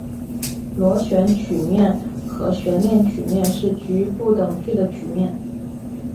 螺旋曲面和悬链曲面是局部等距的曲面。